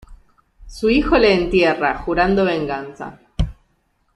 Su hijo le entierra, jurando venganza.